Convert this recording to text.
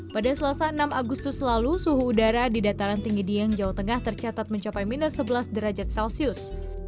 pada selasa enam agustus lalu suhu udara di dataran tinggi dieng jawa tengah tercatat mencapai minus sebelas derajat celcius